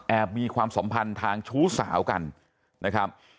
มีความสัมพันธ์ทางชู้สาวกันนะครับ